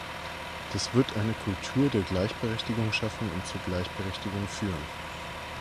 Das wird eine Kultur der Gleichberechtigung schaffen und zu Gleichberechtigung führen.